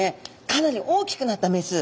かなり大きくなったメス。